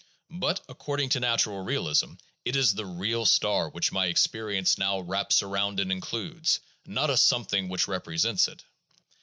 But according to natural realism it is the real star which my experience now wraps around and includes, not a something which represents it.